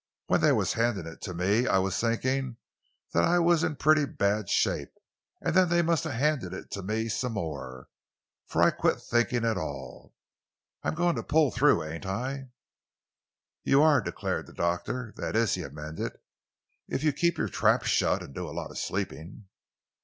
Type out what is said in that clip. "When they was handing it to me, I was thinking that I was in pretty bad shape. And then they must have handed it to me some more, for I quit thinking at all. I'm going to pull through—ain't I?" "You are!" declared the doctor. "That is," he amended, "if you keep your trap shut and do a lot of sleeping."